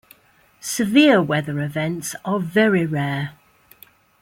Severe weather events are very rare.